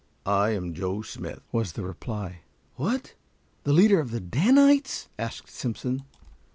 "I am Joe Smith," was the reply. "What! the leader of the Danites?" asked Simpson.